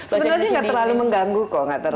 sebenarnya gak terlalu mengganggu kok